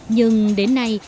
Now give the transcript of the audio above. nhưng đến nay